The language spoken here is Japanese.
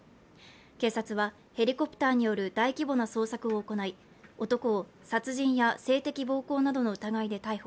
警察はヘリコプターによる大規模な捜索を行い、男を殺人や性的暴行などの疑いで逮捕。